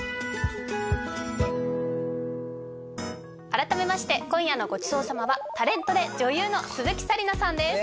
改めまして今夜のごちそう様はタレントで女優の鈴木紗理奈さんです